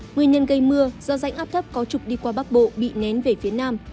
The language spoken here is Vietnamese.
nguyên nhân gây mưa do rãnh áp thấp có trục đi qua bắc bộ bị nén về phía nam